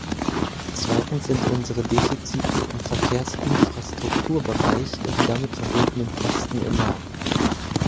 Zweitens sind unsere Defizite im Verkehrsinfrastrukturbereich und die damit verbundenen Kosten enorm.